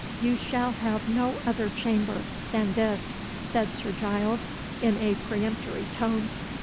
"You shall have no other chamber than this," said Sir Giles, in a peremptory tone.